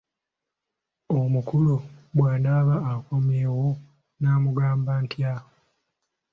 Omukulu bwanaaba akomyewo nnaamugamba ntya?